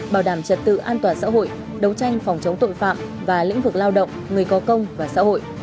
bảo đảm trật tự an toàn xã hội đấu tranh phòng chống tội phạm và lĩnh vực lao động người có công và xã hội